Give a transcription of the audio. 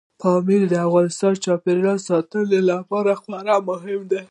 پامیر د افغانستان د چاپیریال ساتنې لپاره خورا مهم دی.